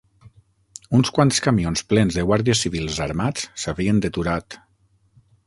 Uns quants camions plens de guàrdies civils armats s'havien deturat...